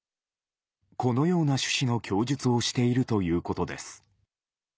このような趣旨の供述をしているということです。